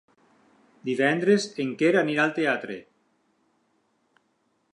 Divendres en Quer anirà al teatre.